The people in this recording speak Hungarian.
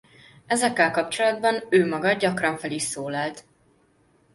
Ezekkel kapcsolatban ő maga gyakran fel is szólalt.